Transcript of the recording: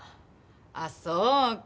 あっそうか。